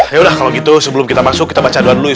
yaudah kalau gitu sebelum kita masuk kita baca doa dulu ya